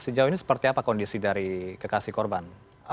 sejauh ini seperti apa kondisi dari kekasih korban